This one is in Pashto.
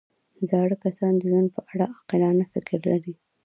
زاړه کسان د ژوند په اړه عاقلانه فکر لري